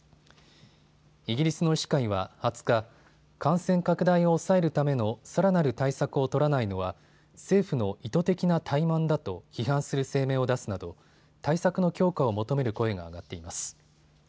イギリスの医師会は２０日、感染拡大を抑えるためのさらなる対策を取らないのは政府の意図的な怠慢だと批判する声明を出すなど対策の強化を求める声が上がっています。